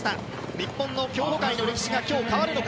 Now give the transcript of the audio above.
日本の競歩界の歴史が今日、変わるのか。